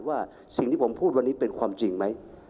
ว่าสิ่งที่ผมพูดวันนี้เป็นความจริงไหม